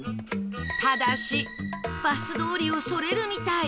ただしバス通りをそれるみたい